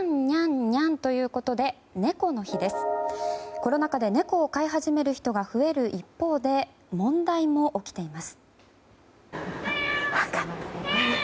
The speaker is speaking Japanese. コロナ禍で猫を飼い始める人が増える一方で問題も起きています。